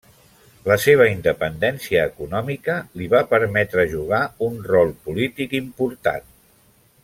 La seva independència econòmica li va permetre jugar un rol polític important.